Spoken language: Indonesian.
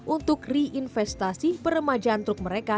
untuk reinvestasi peremajaan truk mereka